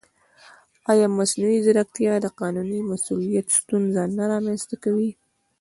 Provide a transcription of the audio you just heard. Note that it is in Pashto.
ایا مصنوعي ځیرکتیا د قانوني مسؤلیت ستونزه نه رامنځته کوي؟